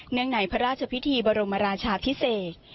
เนื่องไหนพระราชพิธีบรมราชาพิเศษ